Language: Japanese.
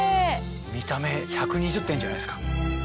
見た目１２０点じゃないですか。